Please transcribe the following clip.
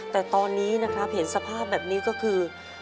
แต่ตอนนี้นะครับเห็นสภาพแบบนี้ก็คือ